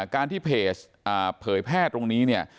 การที่เพจเผยแพร่ตรงนี้เนี่ย